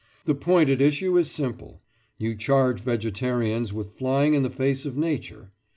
The point at issue is simple. You charge vegetarians with flying in the face of Nature.